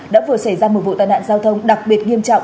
đã vừa xảy ra một vụ tai nạn giao thông đặc biệt nghiêm trọng